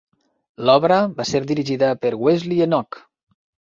L'obra va ser dirigida per Wesley Enoch.